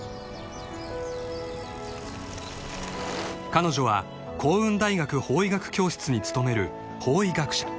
［彼女は興雲大学法医学教室に勤める法医学者］